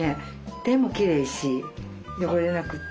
手もきれいし汚れなくて。